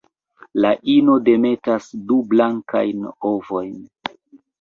La ino demetas du blankajn ovojn.